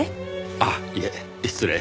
あっいえ失礼。